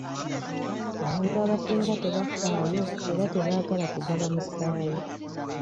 Abantu abasinga tebafaayo era tebaagala kugaba musaayi.